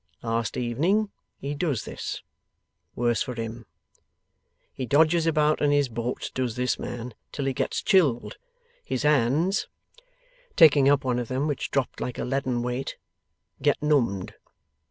Last evening he does this. Worse for him! He dodges about in his boat, does this man, till he gets chilled. His hands,' taking up one of them, which dropped like a leaden weight, 'get numbed.